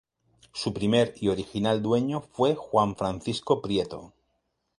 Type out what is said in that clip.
Su primer y original dueño fue Juan Francisco Prieto.